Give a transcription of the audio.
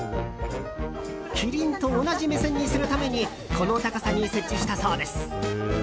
キリンと同じ目線にするためにこの高さに設置したそうです。